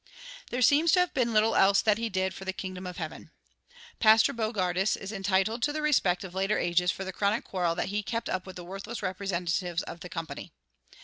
There seems to have been little else that he did for the kingdom of heaven. Pastor Bogardus is entitled to the respect of later ages for the chronic quarrel that he kept up with the worthless representatives of the Company.